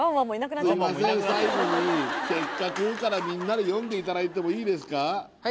最後に「せっかく」からみんなで読んでいただいてもいいですか？